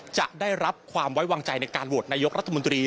จะได้รับความไว้วางใจในการโหวตนายกรัฐมนตรี